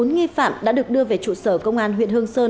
bốn nghi phạm đã được đưa về trụ sở công an huyện hương sơn